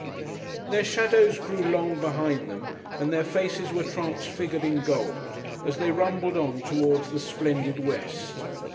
Their shadows grew long behind them and their faces were transfigured in gold as they rumbled on towards the splendid West.